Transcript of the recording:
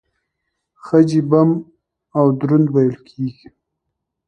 خج يې بم او دروند وېل کېږي.